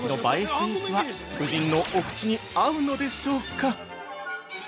スイーツは夫人のお口に合うのでしょうか？